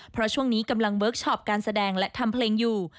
เพราะช่วงนี้กำลังเวิร์คชอปการแสดงและทำเพลงอยู่